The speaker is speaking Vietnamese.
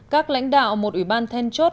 các lãnh đạo một ủy ban then chốt